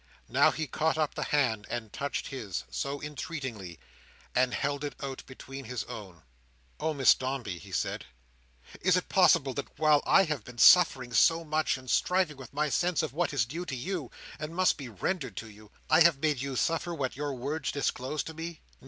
Now he caught up the hand that touched his, so entreatingly, and held it between his own. "Oh, Miss Dombey," he said, "is it possible that while I have been suffering so much, in striving with my sense of what is due to you, and must be rendered to you, I have made you suffer what your words disclose to me?